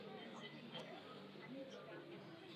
Každé slouží své lince.